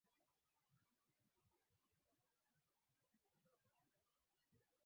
imeubeza uamuzi wa lauren bagbo